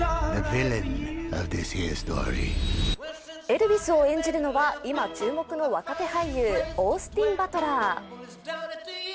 エルヴィスを演じるのは今、注目の若手俳優、オースティン・バトラー。